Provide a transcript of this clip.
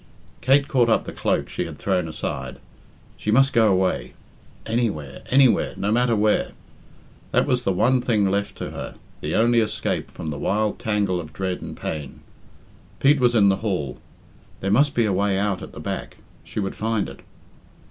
Kate caught up the cloak she had thrown aside. She must go away. Anywhere, anywhere, no matter where. That was the one thing left to her the only escape from the wild tangle of dread and pain. Pete was in the hall; there must be a way out at the back; she would find it.